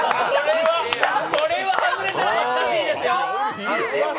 これは外れたら恥ずかしいですよ。